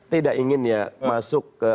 tidak ingin ya masuk ke